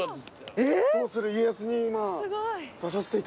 『どうする家康』に今出させていただいてます。